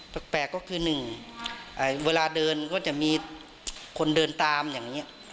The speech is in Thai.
แปลกก็คือหนึ่งเวลาเดินก็จะมีคนเดินตามอย่างนี้